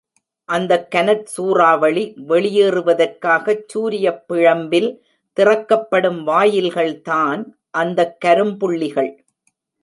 அந்தக் கனற் சூறாவளி வெளியேறுவதற்காகச் சூரியப் பிழம்பில் திறக்கப்படும் வாயில்கள்தான் அந்தத் கரும்புள்ளிகள்!